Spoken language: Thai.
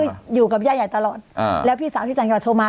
ก็อยู่กับย่าใหญ่ตลอดอ่าแล้วพี่สาวพี่จัญญาโทรมา